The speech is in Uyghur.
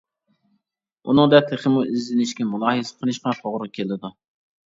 ئۇنىڭدا تېخىمۇ ئىزدىنىشكە، مۇلاھىزە قىلىشقا. توغرا كېلىدۇ.